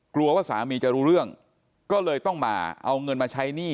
กลัวว่าสามีจะรู้เรื่องก็เลยต้องมาเอาเงินมาใช้หนี้